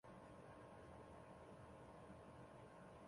郑和亦尝裔敕往赐。